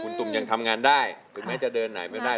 คุณตุ่มยังทำงานได้ถึงแม้จะเดินไหนไม่ได้